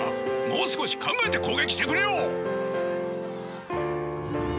もう少し考えて攻撃してくれよ！